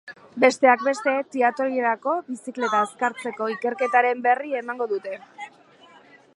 Besteak beste, triatloirako bizikleta azkartzeko ikerketaren berri emango dute.